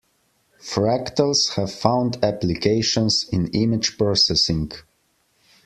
Fractals have found applications in image processing.